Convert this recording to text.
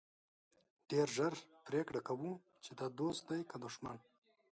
ډېر ژر پرېکړه کوو چې دا دوست دی که دښمن.